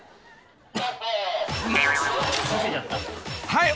［はい。